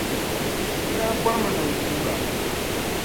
N daa bɔrimi ni n guura.